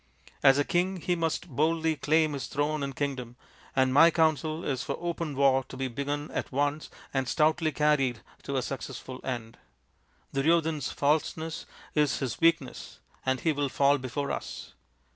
As a king he must boldly claim his throne and kingdom, and my counsel is for open war to be begun at once and stoutly carried to a successful end. Duryodhan's falseness is his weak ness, and he will fall before us.